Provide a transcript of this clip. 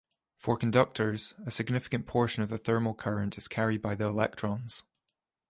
For conductors, a significant portion of the thermal current is carried by the electrons.